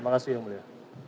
terima kasih yang mulia